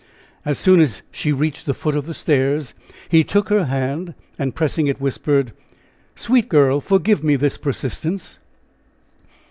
As soon as she reached the foot of the stairs, he took her hand; and, pressing it, whispered: "Sweet girl, forgive me this persistence!"